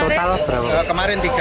tujuh kemarin tiga